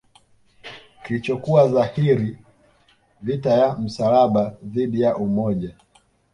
kilichokuwa dhahiri vita ya msalaba dhidi ya umoja